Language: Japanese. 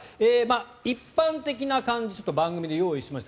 一般的なものを番組で用意しました。